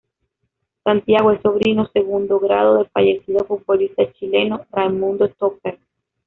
Santiago es sobrino segundo grado del fallecido futbolista chileno Raimundo Tupper.